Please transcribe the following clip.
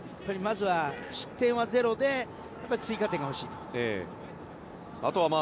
まずは、失点はゼロで追加点が欲しいと。